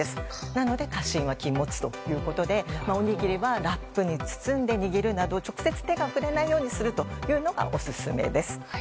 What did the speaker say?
なので過信は禁物ということでおにぎりはラップに包んで握るなど直接手が触れないようにするというのがオススメです。